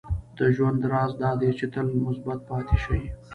• د ژوند راز دا دی چې تل مثبت پاتې شې.